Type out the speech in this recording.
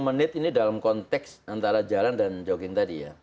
lima menit ini dalam konteks antara jalan dan jogging tadi ya